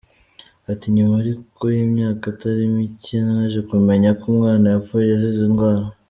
Ati “Nyuma ariko y’imyaka itari mike naje kumenya ko umwana yapfuye azize indwara.